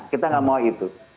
kita nggak mau itu